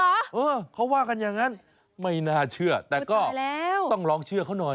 เออเขาว่ากันอย่างนั้นไม่น่าเชื่อแต่ก็ต้องลองเชื่อเขาหน่อย